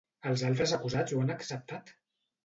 Els altres acusats ho han acceptat?